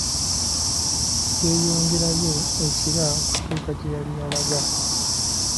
Yeeyongerayo e kira okutuuka gyeyali alaga.